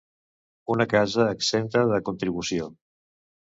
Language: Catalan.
Una casa exempta de contribució.